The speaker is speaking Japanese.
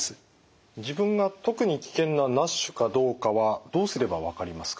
自分が特に危険なＮＡＳＨかどうかはどうすれば分かりますか？